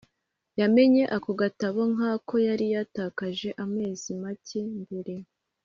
yamenye ako gatabo nkako yari yatakaje amezi make mbere